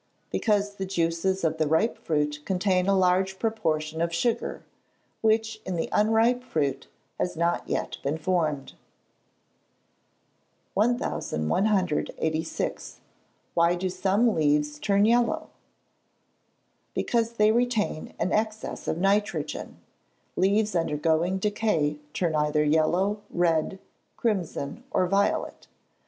_ Because the juices of the ripe fruit contain a large proportion of sugar, which in the unripe fruit has not been formed. 1186. Why do some leaves turn yellow? Because they retain an excess of nitrogen. Leaves undergoing decay turn either yellow, red, crimson, or violet.